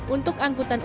untuk angkutan bbm